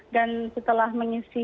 dan setelah mengisi